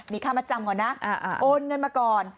มีค่ามาจำก่อนนะโอนเงินมาก่อน